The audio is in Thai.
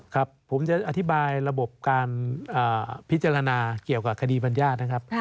ครับผมจะอธิบายระบบการพิจารณาเกี่ยวกับคดีบรรยาทนะครับ